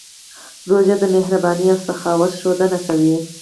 روژه د مهربانۍ او سخاوت ښودنه کوي.